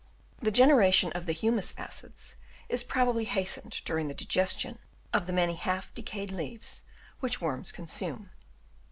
The generation of the humus acids is probably hastened during the digestion of the many half decayed leaves which worms consume.